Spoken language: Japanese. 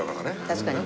確かに。